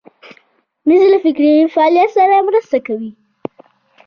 مېز له فکري فعالیت سره مرسته کوي.